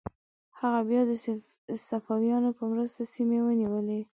هغه بیا د صفویانو په مرسته سیمې ونیولې.